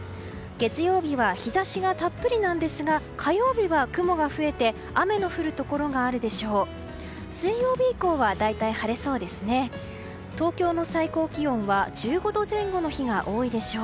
月曜日は日差しがたっぷりなんですが火曜日は、雲が増えて雨の降るところがあるでしょう。